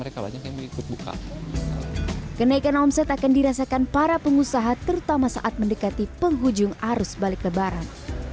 kenaikan omset akan dirasakan para pengusaha terutama saat mendekati penghujung arus balik lebaran